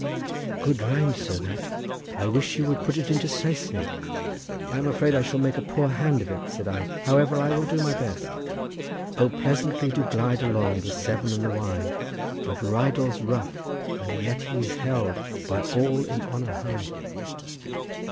Good rhyme, sir, that. I wish you would put it into Saesneg." "I am afraid I shall make a poor hand of it," said I; "however, I will do my best. "'O pleasantly do glide along the Severn and the Wye; But Rheidol's rough, and yet he's held by all in honour high.